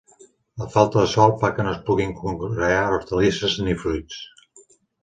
La falta de sòl fa que no es puguin conrear hortalisses ni fruits.